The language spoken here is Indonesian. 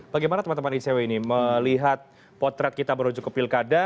bagaimana teman teman icw ini melihat potret kita berujung ke pilkada